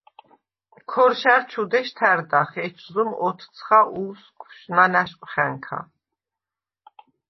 ქორშა̈რ ჩუ დეშ თა̈რდახ, ეჩზუმ ოთცხა უსგვშ ნანაშყვხა̈ნქა.